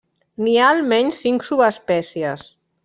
N'hi ha almenys cinc subespècies.